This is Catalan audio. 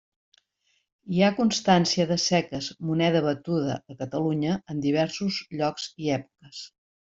Hi ha constància de seques moneda batuda a Catalunya en diversos llocs i èpoques.